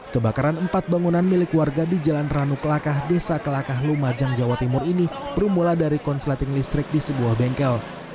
kebakaran empat bangunan milik warga di jalan ranu kelakah desa kelakah lumajang jawa timur ini bermula dari konsleting listrik di sebuah bengkel